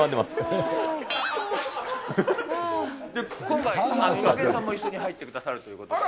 今回、イマケンさんも一緒に入ってくださるということで。